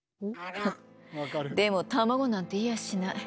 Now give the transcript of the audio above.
フンでも卵なんていやしない。